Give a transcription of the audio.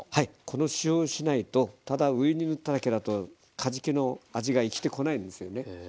この塩をしないとただ上に塗っただけだとかじきの味が生きてこないですよね。